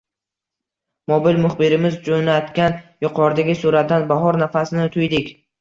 Mobil muxbirimiz joʻnatgan yuqoridagi suratdan bahor nafasini tuydik.